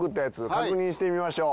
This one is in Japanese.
確認してみましょう。